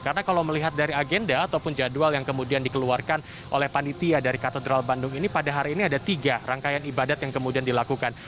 karena kalau melihat dari agenda ataupun jadwal yang kemudian dikeluarkan oleh panitia dari katedral bandung ini pada hari ini ada tiga rangkaian ibadat yang kemudian dilakukan